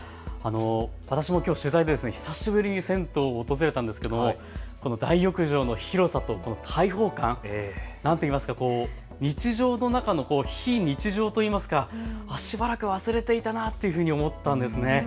私もきょう、取材で久しぶりに銭湯を訪れたんですが大浴場の広さと開放感、何といいますか日常の中の非日常といいますかしばらく忘れていたなというふうに思っていたんです。